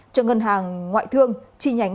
cho ngân hàng ngoại thương chi nhánh